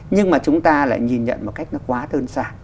nhưng mà chúng ta lại nhìn nhận một cách nó quá đơn giản